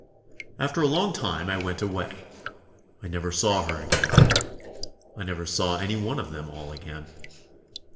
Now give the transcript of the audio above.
After a long time I went away. I never saw her again. I never saw any one of them all again.